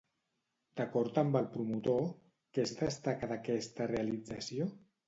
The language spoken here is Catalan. D'acord amb el promotor, què es destaca d'aquesta realització?